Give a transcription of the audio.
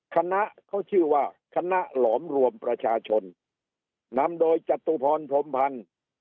คณะเขาชื่อว่าคณะหลอมรวมประชาชนนำโดยจตุพรพรมพันธ์